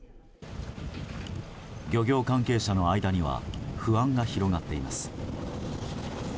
漁業関係者の間には不安が広がっています。